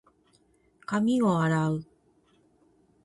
髪を洗う。